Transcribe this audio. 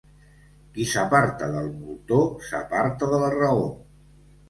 Qui s'aparta del moltó, s'aparta de la raó.